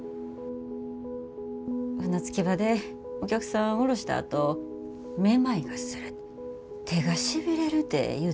船着き場でお客さん降ろしたあとめまいがする手がしびれるて言うたんやて。